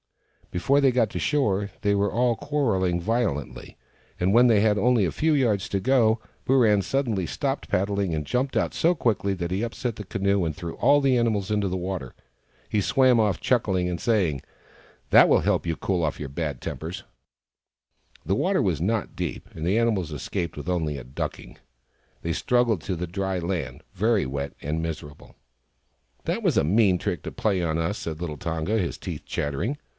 Before they got to shore, they were all quarrelling violently, and when they had only a few yards to go Booran suddenly stopped paddling, and jumped out so quickly that he upset the canoe, and threw all the animals into the water. He swam off, chuckling, and saying, " That will help to cool your bad tempers !" The water was not deep, and the animals escaped with only a ducking. They struggled to the dry land, very wet and miserable. " That was a mean trick to play on us," said little Tonga, his teeth chattering.